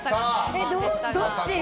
え、どっち？